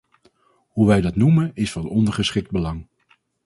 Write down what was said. Hoe wij dat noemen is van ondergeschikt belang.